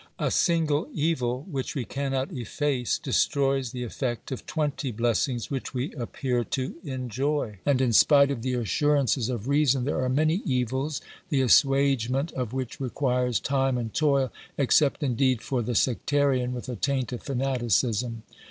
A single evil which we cannot efface destroys the effect of twenty blessings which we appear to enjoy, and, in spite of the assurances of reason, there are many evils, the assuagement of which requires time and toil, except indeed for the sectarian with a taint of fanaticism.